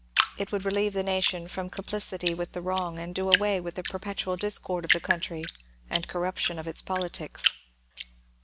It would relieve the nation from compUciiy with the wrong and do away with the per petual discord of the country and corruption of its politics.